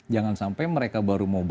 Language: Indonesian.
jangan sampai mereka baru mau